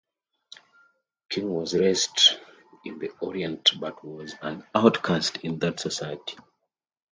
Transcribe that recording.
King was raised in the Orient but was an outcast in that society.